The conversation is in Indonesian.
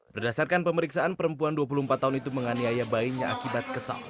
berdasarkan pemeriksaan perempuan dua puluh empat tahun itu menganiaya bayinya akibat kesal